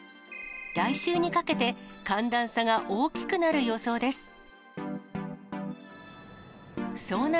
来週にかけて、寒暖差が大きくなる予想です。